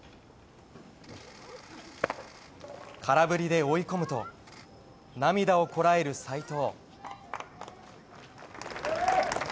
空振りで追い込むと涙をこらえる斎藤。